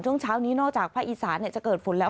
ช่วงเช้านี้นอกจากภาคอีสานจะเกิดฝนแล้ว